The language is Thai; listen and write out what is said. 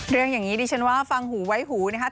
อย่างนี้ดิฉันว่าฟังหูไว้หูนะครับ